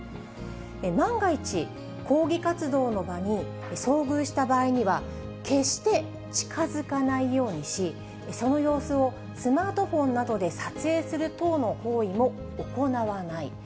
万が一、抗議活動の場に、遭遇した場合には、決して近づかないようにし、その様子をスマートフォンなどで撮影する等の行為も行わない。